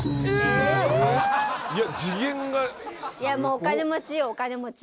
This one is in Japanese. お金持ちよお金持ち。